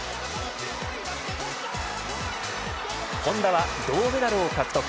本多は銅メダルを獲得。